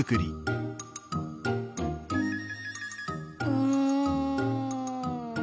うん。